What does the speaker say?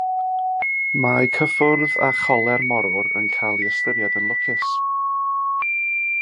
Mae cyffwrdd a choler morwr yn cael ei ystyried yn lwcus.